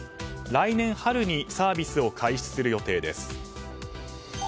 来年春にサービスを開始する予定です。